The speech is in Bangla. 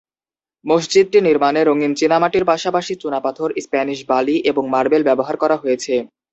মসজিদটি নির্মাণে রঙিন চীনামাটির পাশাপাশি চুনাপাথর, স্প্যানিশ বালি এবং মার্বেল ব্যবহার করা হয়েছে।